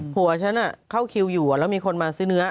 ผัวฉันเข้าคิวอยู่แล้วมีคนมาซื้อเนื้อ